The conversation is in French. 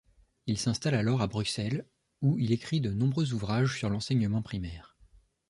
Il s'installe alors à Bruxelles, où il écrit de nombreux ouvrages sur l'enseignement primaire.